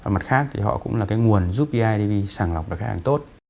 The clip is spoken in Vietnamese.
mặt khác họ cũng là nguồn giúp bidv sẵn lọc được khách hàng